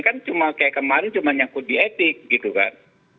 kan cuma kayak kemarin cuma nyakut di etik gitu kan